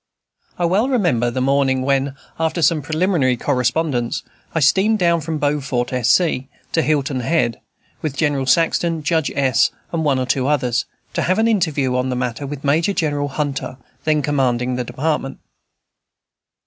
I well remember the morning when, after some preliminary correspondence, I steamed down from Beaufort, S. C., to Hilton Head, with General Saxton, Judge S., and one or two others, to have an interview on the matter with Major General Hunter, then commanding the Department.